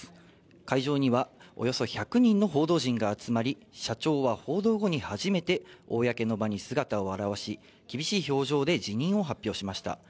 会場にはおよそ１００人の報道陣が集まり、社長は報道後に初めて公の場に姿を現し、厳しい表情で辞任を発表しました。